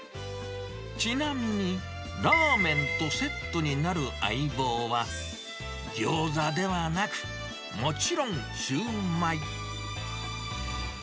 ちなみに、ラーメンとセットになる相棒は、ギョーザではなくもちろん、シュウマイ。